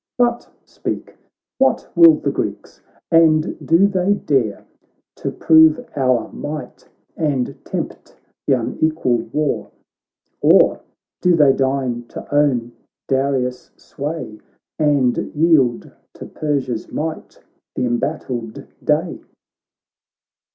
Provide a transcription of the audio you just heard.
But speak, what will the Greeks ! and do they dare To prove our might, and tempt th' un equal war ? Or do they deign to own Darius' sway, And yield to Persia's might th' em battled day?'